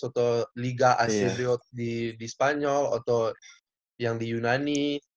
atau liga asetriot di spanyol atau yang di yunani